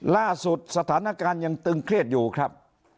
ล่าสุดสถานการณ์ยังตึงเครียดอยู่ครับ